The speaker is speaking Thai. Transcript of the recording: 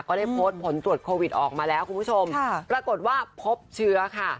ก็ได้โพสต์ผลตรวจโควิดออกมาแล้วคุณผู้ชมปรากฏว่าพบเชื้อค่ะ